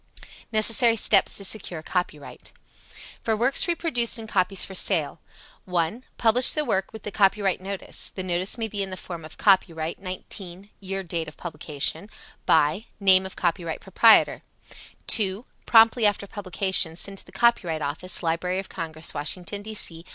Necessary Steps to Secure Copyright. For works reproduced in copies for sale: 1. Publish the work with the copyright notice. The notice may be in the form "Copyright, 19 ..... (year date of publication) by (name of copyright proprietor)." 2. Promptly after publication, send to the Copyright Office, Library of Congress, Washington, D. C.